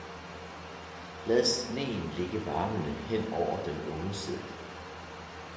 Lad sneen ligge varmende hen over den unge sæd